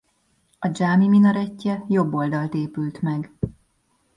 A dzsámi minaretje jobboldalt épült meg.